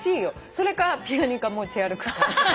それかピアニカ持ち歩くか。